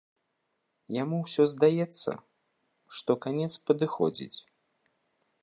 Яму ўсё здаецца, што канец падыходзіць.